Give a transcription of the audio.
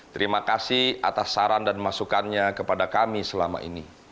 terima kasih atas saran dan masukannya kepada kami selama ini